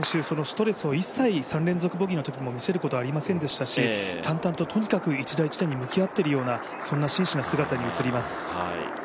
そのストレスを一切３連続ボギーのときにも見せることはありませんし、淡々ととにかく１打１打に向き合っているようなそんな真摯な姿にります。